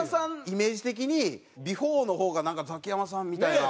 イメージ的にビフォーの方がなんかザキヤマさんみたいな。